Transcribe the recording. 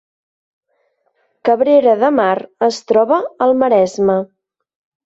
Cabrera de Mar es troba al Maresme